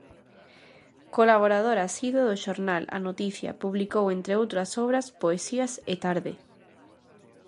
Colaborador asiduo do xornal "A Noticia", publicou entre outras obras: "Poesías" e "Tarde".